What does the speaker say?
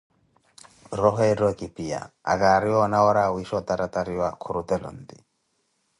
Rooho yetta okipiya, akariwoona woora wa wiisha otaratariwa kurutela onti.